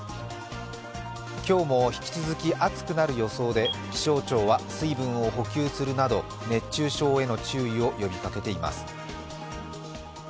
今日も引き続き暑くなる予想で気象庁は水分を補給するなど熱中症への注意を呼びかけています。